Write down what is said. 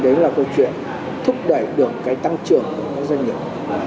đấy là câu chuyện thúc đẩy được cái tăng trưởng của các doanh nghiệp